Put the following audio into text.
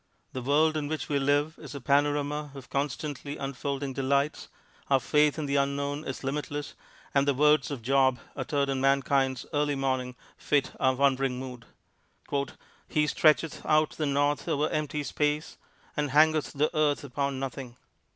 The world in which we live is a panorama of constantly unfolding delights, our faith in the Unknown is limitless, and the words of Job, uttered in mankind's early morning, fit our wondering mood: "He stretcheth out the north over empty space, and hangeth the earth upon nothing."